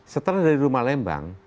setelah dari rumah lembang